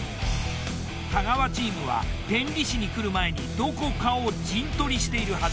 太川チームは天理市に来る前にどこかを陣取りしているはず。